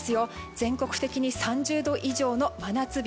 全国的に３０度以上の真夏日。